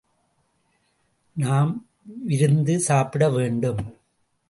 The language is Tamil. நாம் விருந்து சாப்பிடவேண்டும்.